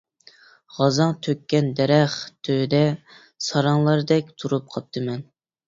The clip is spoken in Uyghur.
غازاڭ تۆككەن دەرەخ تۈۋىدە، ساراڭلاردەك تۇرۇپ قاپتىمەن.